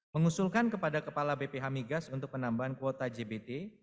mengusulkan kepada kepala bp hamigas untuk penambahan kuota gbt